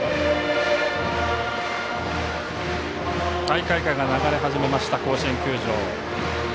大会歌が流れ始めました甲子園球場。